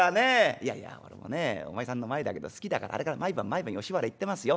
「いやいや俺もねお前さんの前だけど好きだからあれから毎晩毎晩吉原行ってますよ。